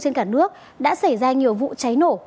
trên cả nước đã xảy ra nhiều vụ cháy nổ